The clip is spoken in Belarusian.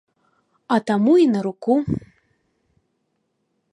А таму й наруку.